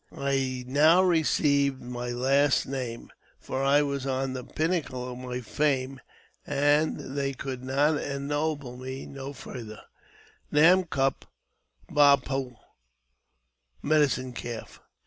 I now received my last name— for I was on the pinnacle of my fame, and they could ennoble me no farther — Nan kup bah pah (Medicine Calf).